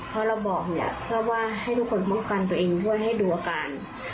เพราะเราบอกเนี่ยเพื่อว่าให้ทุกคนป้องกันตัวเองด้วยให้ดูอาการ